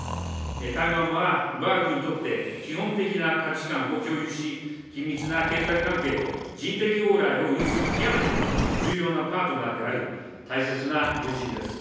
台湾はわが国にとって基本的な価値観を共有し、緊密な経済関係と人的往来を有する極めて重要なパートナーであり、大切な友人です。